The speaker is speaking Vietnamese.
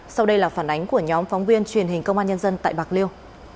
sau đây là phản ánh của nhóm phóng viên truyền hình công an nhân dân tại bạc liêu